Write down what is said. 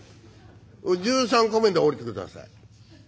「１３個目で降りてください。